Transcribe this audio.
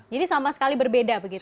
jadi sama sekali berbeda begitu ya